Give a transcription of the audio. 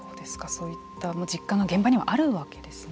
そういった実感が現場にはあるわけですね。